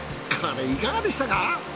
これいかがでしたか？